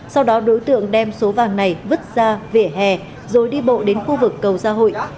sau đó đối tượng đem số vàng này vứt ra vỉa hè rồi đi bộ đến khu vực cầu gia hội